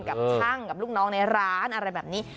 กับช่างกับลูกน้องในร้านอะไรแบบนี้